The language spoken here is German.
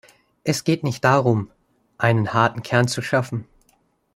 Es geht nicht darum, einen harten Kern zu schaffen.